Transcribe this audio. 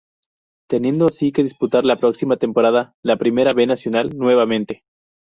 Teniendo así que disputar, la próxima temporada, la Primera B Nacional nuevamente.